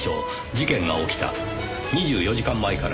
事件が起きた２４時間前から。